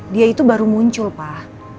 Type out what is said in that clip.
dia itu baru muncul pak